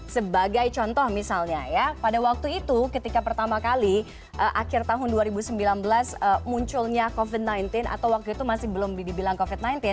sebagai contoh misalnya ya pada waktu itu ketika pertama kali akhir tahun dua ribu sembilan belas munculnya covid sembilan belas atau waktu itu masih belum dibilang covid sembilan belas